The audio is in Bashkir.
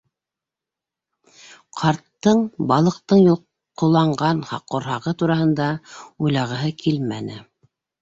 Ҡарттың балыҡтың йолҡҡоланған ҡорһағы тураһында уйлағыһы килмәне.